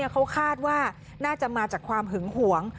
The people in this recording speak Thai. เขาคาดว่าน่าจะมาจากความหึงหวง